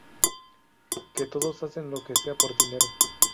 Que todos hacen lo que sea por dinero.